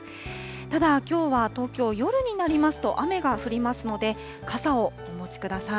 ただ、きょうは東京、夜になりますと、雨が降りますので、傘をお持ちください。